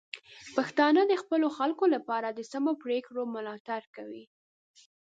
پښتانه د خپلو خلکو لپاره د سمو پریکړو ملاتړ کوي.